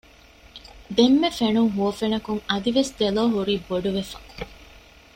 ދެންމެ ފެނުން ހުވަފެނަކުން އަދިވެސް ދެލޯ ހުރީ ބޮޑުވެފަ